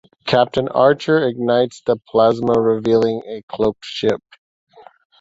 Captain Archer ignites the plasma, revealing a cloaked ship.